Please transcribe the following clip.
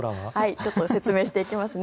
ちょっと説明していきますね。